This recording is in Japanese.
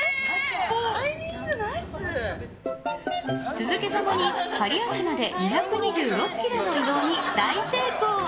続けざまに刈谷市まで２２６ｋｍの移動に大成功。